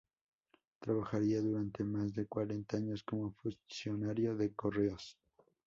Trabajaría durante más de cuarenta años como funcionario de Correos.